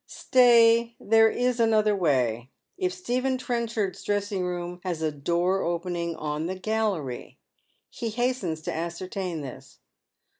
Stay, there is another way ; if Stephen Trenchard's dressing room has a door opening on the galleiy. He hastens to ascertain this.